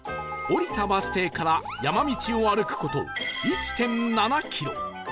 降りたバス停から山道を歩く事 １．７ キロ